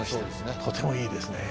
とてもいいですね。